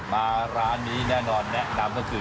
มาร้านนี้แน่นอนแนะนำก็คือ